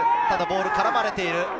ただボールが絡まれている。